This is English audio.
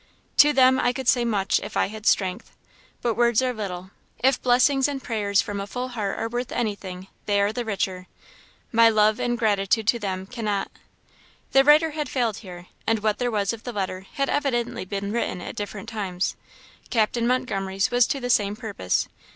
"To them I could say much, if I had strength. But words are little. If blessings and prayers from a full heart are worth anything, they are the richer. My love and gratitude to them cannot " The writer had failed here; and what there was of the letter had evidently been written at different times. Captain Montgomery's was to the same purpose.